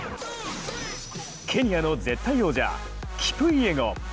ケニアの絶対王者、キプイエゴン。